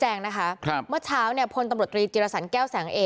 แต่นี่เป็นผลงานที่ต้องการ